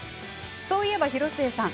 そういえば、広末さん